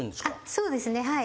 そうですねはい。